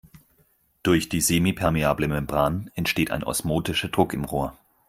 Durch die semipermeable Membran entsteht ein osmotischer Druck im Rohr.